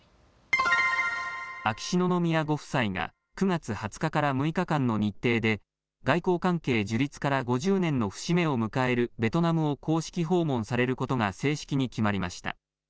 秋篠宮ご夫妻が９月２０日から６日間の日程で外交関係樹立から５０年の節目を迎えるベトナムを公式訪問されることが正式に決まりました。